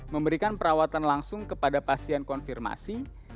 memberikan perawatan langsung kepada pasien konfirmasi